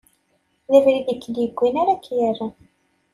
D abrid i k-id-iwwin ara k-irren.